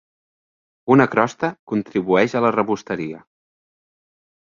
Una crosta contribueix a la rebosteria.